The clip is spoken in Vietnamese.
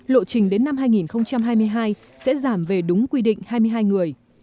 lộ trình đến năm hai nghìn hai mươi hai sẽ giảm về đúng quy định hai mươi hai người